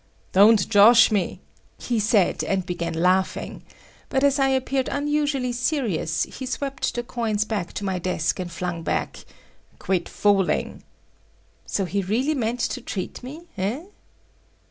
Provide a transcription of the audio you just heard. "Don't josh me," he said, and began laughing, but as I appeared unusually serious, he swept the coins back to my desk, and flung back, "Quit fooling." So he really meant to treat me, eh?